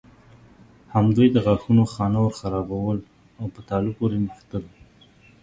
همدوی د غاښونو خانه ورخرابول او په تالو پورې نښتل.